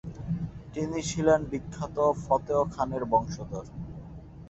তিনি ছিলেন বিখ্যাত ফতেহ খানের বংশধর।